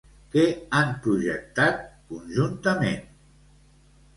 Què han projectat, conjuntament?